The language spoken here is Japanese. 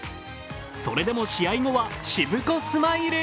それでも試合後はしぶこスマイル。